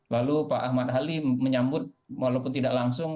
lalu pak ahmad halim menyambut walaupun tidak langsung